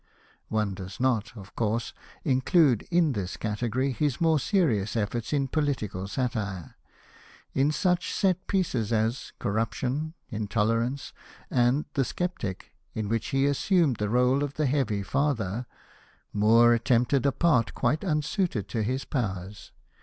One does not, of course, include in this category his more serious efforts in political satire. In such set pieces as Corruptio7i^ Intolerance^ and The Sceptic, in which he assumed the role of the heavy father, Moore attempted a part quite unsuited to his powers.